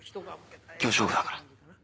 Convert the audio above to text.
今日勝負だから。